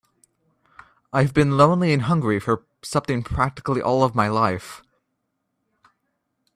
I've been lonely and hungry for something practically all my life.